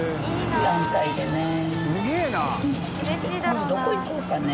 今度どこ行こうかね。